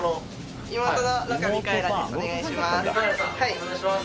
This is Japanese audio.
お願いします。